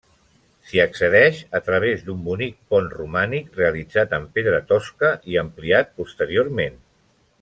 S'hi accedeix a través d'un bonic pont romànic realitzat amb pedra tosca i ampliat posteriorment.